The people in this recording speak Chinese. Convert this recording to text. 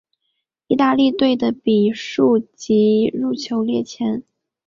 意大利队的比数及入球列前。